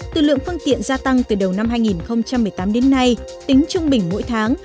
từ lượng phương tiện gia tăng từ đầu năm hai nghìn một mươi tám đến nay tính trung bình mỗi tháng